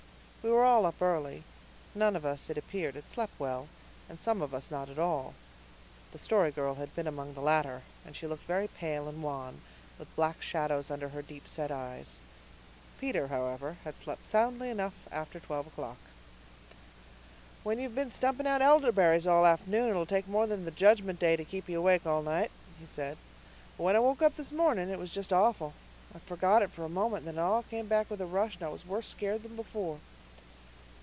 We were all up early. None of us, it appeared, had slept well, and some of us not at all. The Story Girl had been among the latter, and she looked very pale and wan, with black shadows under her deep set eyes. Peter, however, had slept soundly enough after twelve o'clock. "When you've been stumping out elderberries all the afternoon it'll take more than the Judgment Day to keep you awake all night," he said. "But when I woke up this morning it was just awful. I'd forgot it for a moment, and then it all came back with a rush, and I was worse scared than before."